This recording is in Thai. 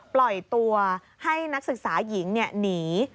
ปล่อยตัวให้นักศึกษาหญิงหนี